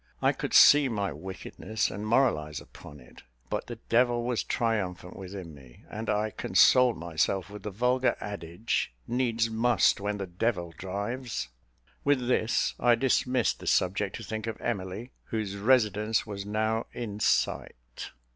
I could see my wickedness, and moralise upon it; but the devil was triumphant within me, and I consoled myself with the vulgar adage, "Needs must when the devil drives." With this, I dismissed the subject to think of Emily, whose residence was now in sight.